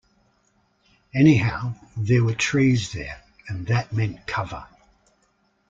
Anyhow there were trees there, and that meant cover.